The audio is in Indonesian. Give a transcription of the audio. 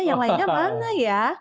yang lainnya mana ya